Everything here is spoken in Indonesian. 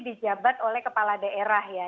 dijabat oleh kepala daerah ya